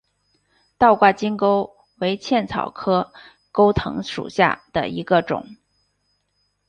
倒挂金钩为茜草科钩藤属下的一个种。